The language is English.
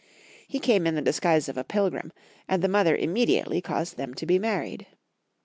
He came in the disguise of a pilgrim, and the mother immediately caused them to be married.